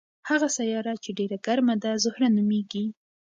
هغه سیاره چې ډېره ګرمه ده زهره نومیږي.